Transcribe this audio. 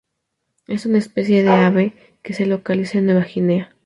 Es una especie de ave que se localiza en Nueva Guinea